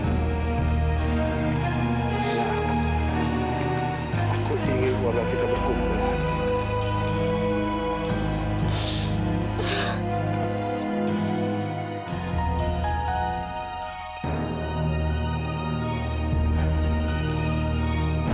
aku ingin kita berkumpul